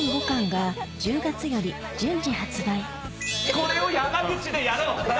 これを山口でやろう！